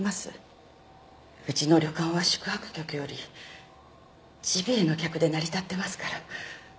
うちの旅館は宿泊客よりジビエの客で成り立ってますから。